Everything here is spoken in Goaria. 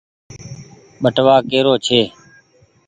ٻٽوآ ڪيرو ڇي۔